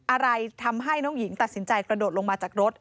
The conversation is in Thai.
อะไรทำให้น้องหญิงตัดสินใจกระโดดลงมาจากรถ